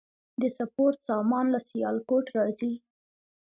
د سپورت سامان له سیالکوټ راځي؟